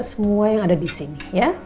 semua yang ada di sini ya